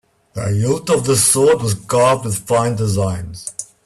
The hilt of the sword was carved with fine designs.